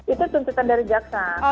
itu tuntutan dari jaksa